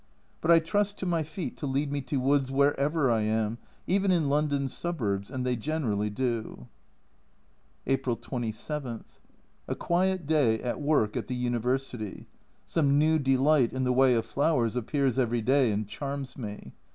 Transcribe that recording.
But I trust to my feet to lead me to woods wherever I am, even in London's suburbs, and they generally do. April 27. A quiet day at work at the University ; some new delight in the way of flowers appears every day and charms me.